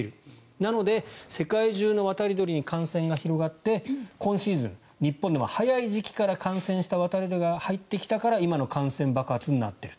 なので世界中の渡り鳥に感染が広がって今シーズン、日本では早い時期から感染した渡り鳥が入ってきたから今の感染爆発になっていると。